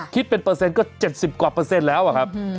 คิดเป็นเปอร์เซ็นต์ก็๗๐กว่าเปอร์เซ็นต์แล้วอะครับ